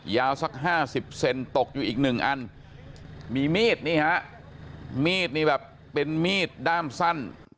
สัก๕๐เซนตกอยู่อีกหนึ่งอันมีมีดนี่ฮะมีดนี่แบบเป็นมีดด้ามสั้น